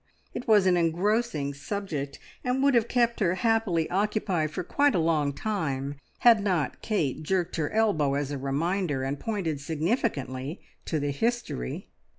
It was an engrossing subject, and would have kept her happily occupied for quite a long time, had not Kate jerked her elbow as a reminder, and pointed significantly to the history.